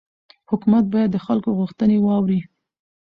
حکومت باید د خلکو غوښتنې واوري